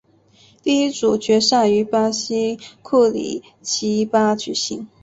第一组决赛于巴西库里奇巴举行。